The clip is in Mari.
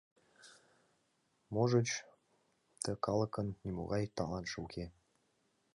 Можыч, ты калыкын нимогай талантше уке?